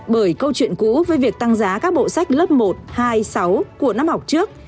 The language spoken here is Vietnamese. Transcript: bởi câu chuyện cũ với việc tăng giá các bộ sách lớp một hai sáu của năm học trước